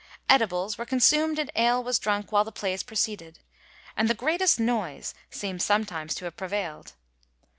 Edibles were consumed and ale was drunk while the plays proceeded, and the greatest noise seems, sometimes, to have prevaild.